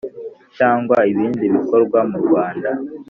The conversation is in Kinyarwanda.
cyangwa ibindi bikorwa mu Rwanda